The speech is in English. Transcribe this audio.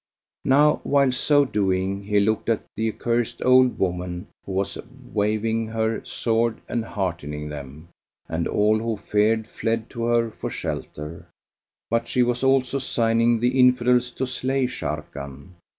Now while so doing, he looked at the accursed old woman who was waving her sword and heartening them, and all who feared fled to her for shelter; but she was also signing the Infidels to slay Sharrkan.